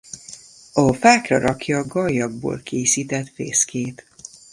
A fákra rakja gallyakból készített fészkét.